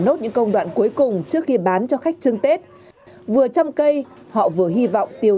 nốt những công đoạn cuối cùng trước khi bán cho khách chưng tết vừa chăm cây họ vừa hi vọng tiêu